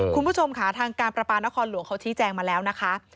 คุณผู้ชมค่ะทางการประปานครหลวงเขาชี้แจงมาแล้วนะคะ